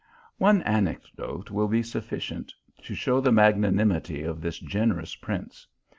One anecdote will be sufficient to show the mag nanimity of this generous prince.